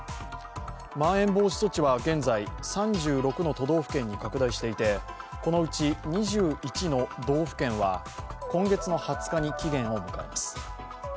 まん延防止措置は現在、３６の都道府県に拡大していてこのうち２１の道府県は今月の２０日に期限を迎えます。